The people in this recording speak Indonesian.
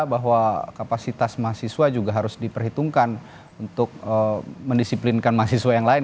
bahwa kapasitas mahasiswa juga harus diperhitungkan untuk mendisiplinkan mahasiswa yang lain